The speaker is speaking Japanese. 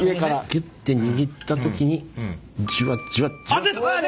ギュッて握った時にジュワッジュワッジュワッ。